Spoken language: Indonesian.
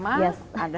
menerima keketuaan oke